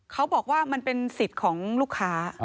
เขาบอกว่ามันเป็นสิทธิ์ของลูกค้า